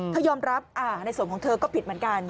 เธอยอมรับในส่วนของเธอก็ผิดเหมือนกัน